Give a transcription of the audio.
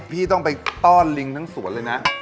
พี่ต้องไปต้อนลิงทั้งสวนเลยนะ